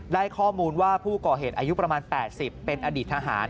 ได้ข้อมูลว่าผู้ก่อเหตุอายุประมาณ๘๐เป็นอดีตทหาร